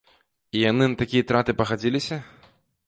І яны на такія траты пагадзіліся?